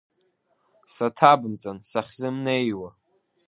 Саҭабымҵан сахьзымнеиуа.